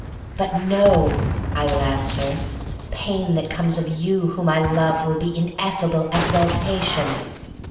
"But no," I will answer, "pain that comes of you whom I love will be in effable exaltation."